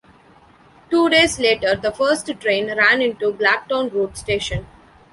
Two days later the first train ran into Black Town Road station.